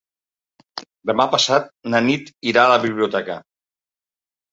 Demà passat na Nit irà a la biblioteca.